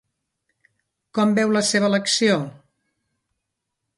Com veu la seva elecció?